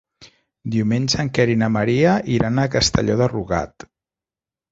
Diumenge en Quer i na Maria iran a Castelló de Rugat.